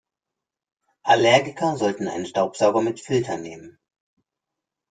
Allergiker sollten einen Staubsauger mit Filter nehmen.